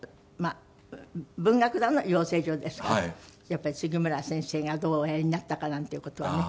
文学座の養成所ですからやっぱり杉村先生がどうおやりになったかなんていう事をね